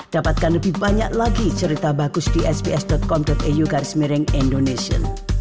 dapatkan lebih banyak lagi cerita bagus di sps com eu garis miring indonesia